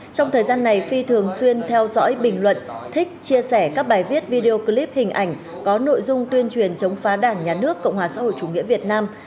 trong thời gian này phi thường xuyên theo dõi bình luận thích chia sẻ các bài viết video clip hình ảnh có nội dung tuyên truyền chống phá đảng nhà nước cộng hòa xã hội chủ nghĩa việt nam